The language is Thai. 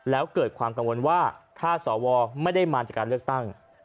แล้วเกิดความกังวลว่าถ้าสวไม่ได้มาจากการเลือกตั้ง